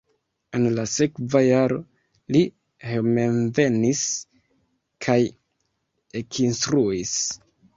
En la sekva jaro li hejmenvenis kaj ekinstruis.